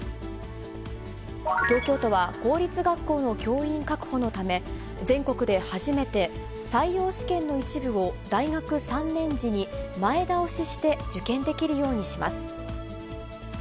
東京都は、公立学校の教員確保のため、全国で初めて、採用試験の一部を大学３年時に、前倒しして受験できるようにします。